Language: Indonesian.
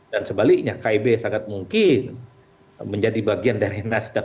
dan sebaliknya kib sangat mungkin menjadi bagian dari nasdem